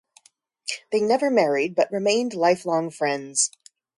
They never married but remain lifelong friends.